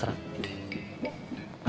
kadang kadang tertunduk malu